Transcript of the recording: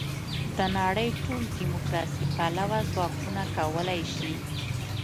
د نړۍ ټول دیموکراسي پلوه ځواکونه کولای شي.